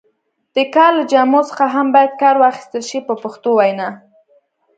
د کار له جامو څخه هم باید کار واخیستل شي په پښتو وینا.